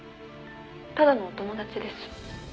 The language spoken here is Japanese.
「ただのお友達です」